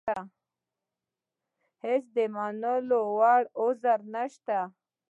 هېڅ د منلو وړ عذر نشته.